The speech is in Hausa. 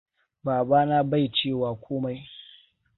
Babana bai cewa komai.